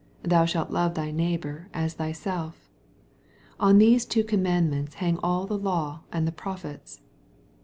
Thou shalt love thy neighbor as thy lelf. 40 On these two commandments hang all the law and the Proph ets.